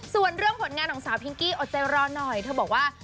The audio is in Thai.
ส่วนเรื่องผลงานของสาวพิงกี้อดใจรอหน่อยเธอบอกว่า